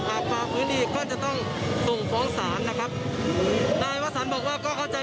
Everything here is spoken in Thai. หากฝ่าฝืนนี่ก็จะต้องส่งฟ้องสารนะครับได้วัฒนภูมิบอกว่าก็เข้าใจ